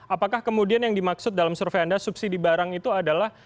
apakah kemudian yang dimaksud dalam survei anda subsidi barang itu adalah